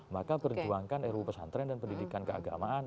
maka berjuangkan ru pesantren dan pendidikan keagamaan